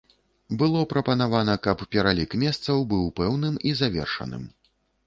Было прапанавана, каб пералік месцаў быў пэўным і завершаным.